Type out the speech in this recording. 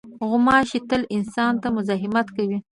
غوماشې تل انسان ته مزاحمت کوي.